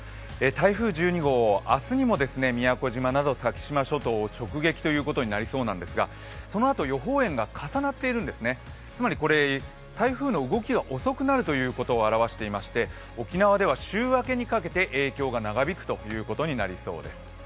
台風１２号、明日にも宮古島など先島諸島を直撃ということになりそうですがそのあと予報円が、重なっているんですね、つまりこれ、台風の動きが遅くなるということを表していまして沖縄では週明けにかけて影響が長引くことになりそうです。